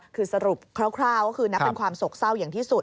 คือสรุปคร่าวก็คือนับเป็นความโศกเศร้าอย่างที่สุด